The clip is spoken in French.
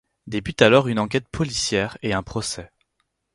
Débute alors une enquête policière et un procès.